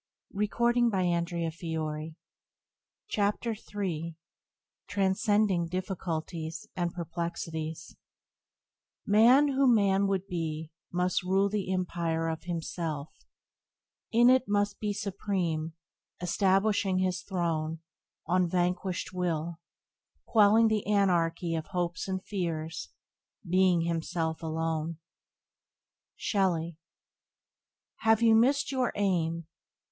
Byways to Blessedness by James Allen 13 Transcending Difficulties and Perplexities "Man who man would be Must rule the empire of himself; in it Must be supreme, establishing his throne On vanquished will, quelling the anarchy Of hopes and fears, being himself alone." —Shelley. "Have you missed in your aim?